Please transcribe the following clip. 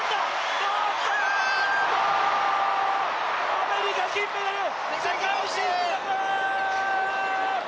アメリカ、金メダル、世界新記録！